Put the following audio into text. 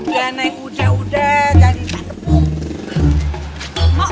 ya yang muda guda jangan ditatepu